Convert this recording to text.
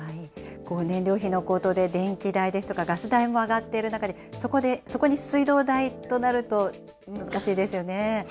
燃料費の高騰で、電気代ですとか、ガス代も上がっている中で、そこに水道代となると難しいですよね。